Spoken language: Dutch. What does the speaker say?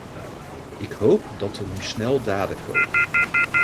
Ik hoop dat er nu snel daden komen.